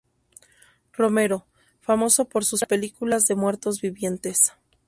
Romero, famoso por sus películas de muertos vivientes.